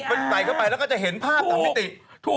มันใส่เข้าไปแล้วก็จะเห็นภาพตามมิติ